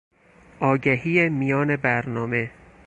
آگهی میان برنامه